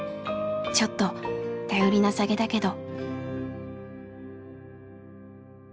ちょっと頼りなさげだけど。